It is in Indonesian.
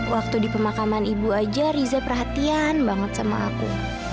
waktu di pemakaman ibu aja riza perhatian banget sama aku